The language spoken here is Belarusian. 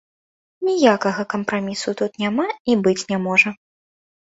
Ніякага кампрамісу тут няма і быць не можа.